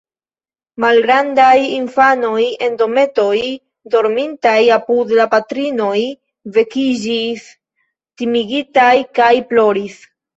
Malgrandaj infanoj en dometoj, dormintaj apud la patrinoj, vekiĝis timigitaj kaj ploris.